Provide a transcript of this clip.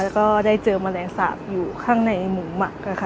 แล้วก็ได้เจอแมลงสาปอยู่ข้างในหมูหมักค่ะ